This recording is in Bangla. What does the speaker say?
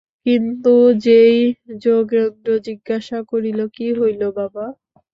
কিন্তু যেই যোগেন্দ্র জিজ্ঞাসা করিল, কী হইল বাবা?